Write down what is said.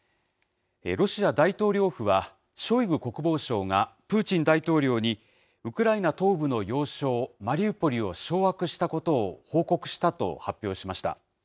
ロシア大統領府は、ショイグ国防相がプーチン大統領に、ウクライナ東部の要衝マリウポリを掌握したことを報告したと発表しました。